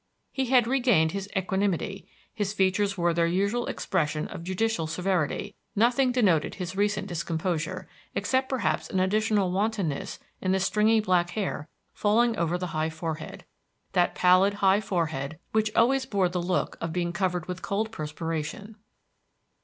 He had regained his equanimity; his features wore their usual expression of judicial severity; nothing denoted his recent discomposure, except perhaps an additional wantonness in the stringy black hair falling over the high forehead, that pallid high forehead which always wore the look of being covered with cold perspiration.